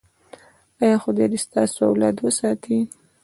ایا خدای دې ستاسو اولاد وساتي؟